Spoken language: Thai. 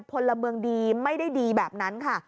พลเมืองดีไม่ได้ดีแบบนั้นค่ะ